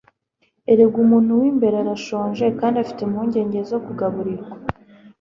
erega umuntu w'imbere arashonje kandi afite impungenge zo kugaburirwa